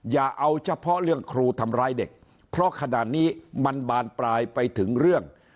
อย่าเอาเฉพาะเรื่องครูทำร้ายเด็กเพราะขนาดนี้มันบานปลายไปถึงเรื่อง